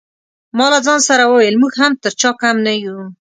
ما له ځان سره وویل موږ هم تر چا کم نه یو.